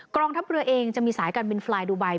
กองทัพเรือเองจะมีสายการบินฟลายดูไบ